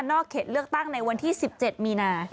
เขตเลือกตั้งในวันที่๑๗มีนา